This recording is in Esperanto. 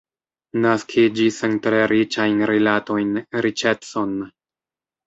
Naskiĝis en tre riĉajn rilatojn, riĉecon.